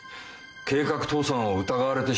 計画倒産を疑われてしまいます。